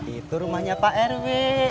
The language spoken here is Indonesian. itu rumahnya pak rw